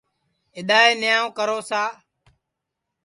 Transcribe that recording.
اِدائے نِیاو کرو سا